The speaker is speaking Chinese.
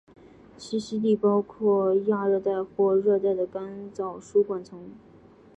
栖息地包括亚热带或热带的干燥疏灌丛。